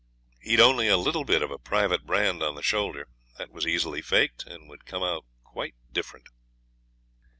He had only a little bit of a private brand on the shoulder. That was easily faked, and would come out quite different.